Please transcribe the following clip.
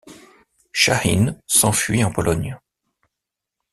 Shahin s'enfuit en Pologne.